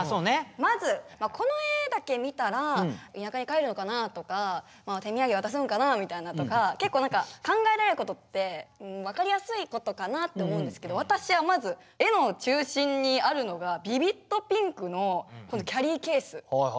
まずこの絵だけ見たら田舎に帰るのかなとか手みやげ渡すのかなみたいなとか結構考えられることって分かりやすいことかなって思うんですけど私はまず絵の中心にあるのがでね